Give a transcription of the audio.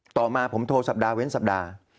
ต่อมาผมโทรสัปดาห์เว้นสัปดาห์